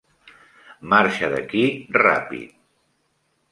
Marxa d'aquí ràpid.